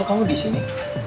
kok kamu disini